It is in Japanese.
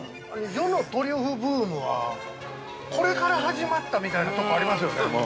◆世のトリュフブームはこれから始まったみたいなとこありますよね。